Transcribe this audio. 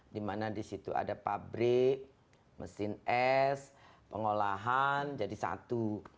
di mana di situ ada pabrik mesin es pengolahan jadi satu